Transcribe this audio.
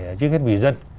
chứ không hết vì dân